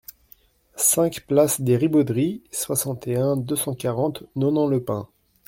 cinq place des Ribauderies, soixante et un, deux cent quarante, Nonant-le-Pin